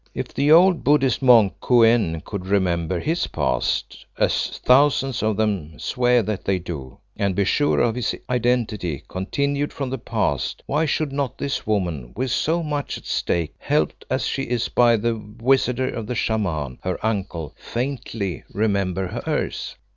"If the old Buddhist monk Kou en could remember his past, as thousands of them swear that they do, and be sure of his identity continued from that past, why should not this woman, with so much at stake, helped as she is by the wizardry of the Shaman, her uncle, faintly remember hers?